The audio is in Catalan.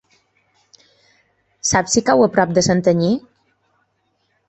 Saps si cau a prop de Santanyí?